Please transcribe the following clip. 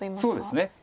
そうですね。